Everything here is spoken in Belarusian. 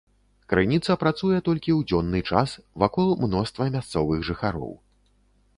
Крыніца працуе толькі ў дзённы час, вакол мноства мясцовых жыхароў.